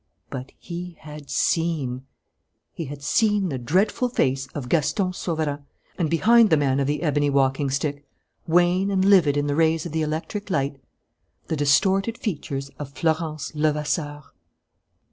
But he had seen. He had seen the dreadful face of Gaston Sauverand, and, behind the man of the ebony walking stick, wan and livid in the rays of the electric light, the distorted features of Florence Levasseur!